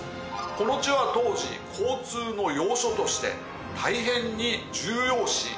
この地は当時交通の要所として大変に重要視される所でした。